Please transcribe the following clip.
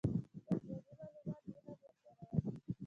میداني معلومات یې هم وکارول.